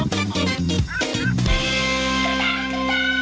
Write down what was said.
คุณแบบคุณแบบ